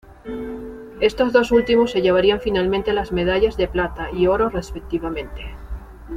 Estos dos últimos se llevarían finalmente las medallas de plata y oro respectivamente.